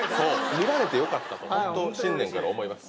見られてよかったと新年から思います。